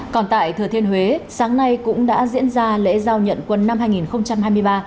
còn tại thừa thiên huế sáng nay cũng đã diễn ra lễ giao nhận quân năm hai nghìn hai mươi ba